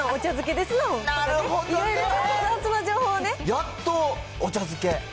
やっとお茶漬け。